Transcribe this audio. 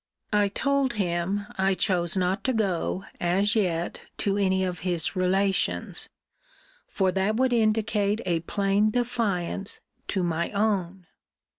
I told him, I chose not to go, as yet, to any of his relations; for that would indicate a plain defiance to my own.